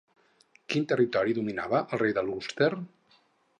Quin territori dominava el rei de l'Ulster?